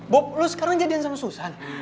bob lo sekarang jadian sama susan